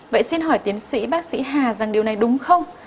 vậy xin hỏi tiến sĩ bác sĩ hà rằng điều này đúng không